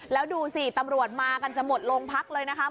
แล้วดูสิตำรวจมากันจะหมดโรงพักเลยนะคะ